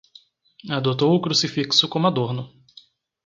Adotou o crucifixo como adorno